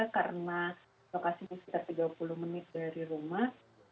karena lokasinya sekitar tiga puluh menit dari rumah